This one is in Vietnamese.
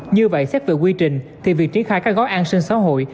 như vậy xét về quy trình thì việc triển khai các gói an sinh xã hội